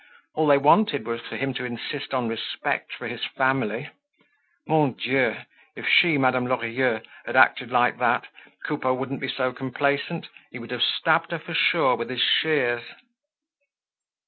All they wanted was for him to insist on respect for his family. Mon Dieu! If she, Madame Lorilleux, had acted like that, Coupeau wouldn't be so complacent. He would have stabbed her for sure with his shears.